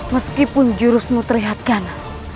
meskipun jurusmu terlihat ganas